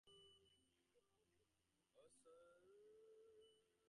He apprenticed with Doctor William Smith at fourteen and received his license at twenty.